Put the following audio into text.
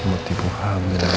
mau tipu hamil